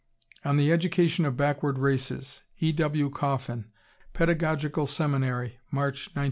"On the Education of Backward Races," E. W. Coffin, Pedagogical Seminary, March, 1908.